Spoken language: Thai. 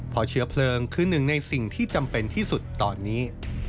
เพราะเชื้อเพลิงคือหนึ่งในสิ่งที่จำเป็นที่สุดตอนนี้